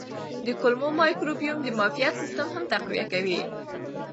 د کولمو مایکروبیوم د معافیت سیستم هم تقویه کوي.